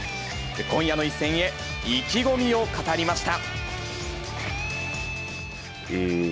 今夜の一戦へ、意気込みを語りました。